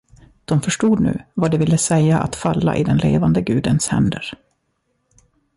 De förstod nu vad det ville säga att falla i den levande gudens händer.